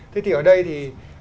thế thì ở đây thì